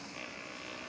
nggak ada pakarnya